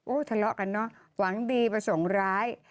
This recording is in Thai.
ทะเลาะกันเนอะหวังดีประสงค์ร้าย